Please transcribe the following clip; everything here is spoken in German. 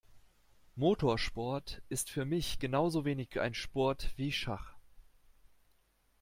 Motorsport ist für mich genauso wenig ein Sport wie Schach.